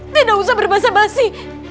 tidak usah berbahasa basi